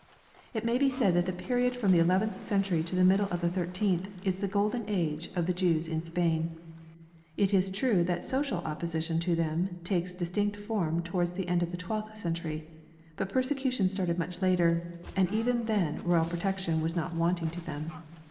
It may be said that the period from the eleventh century to the middle of the thirteenth is the golden age of the Jews in Spain. It is true that social opposition to them takes distinct form towards the end of the twelfth century ; but persecution started much later, and even then royal protection was not wanting to them.